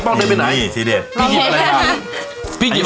ป้ามันเกิน